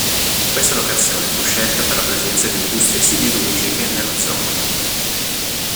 Questa locazione fu scelta per la presenza di industrie siderurgiche nella zona.